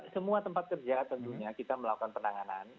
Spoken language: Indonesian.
semua tempat kerja tentunya kita melakukan penanganan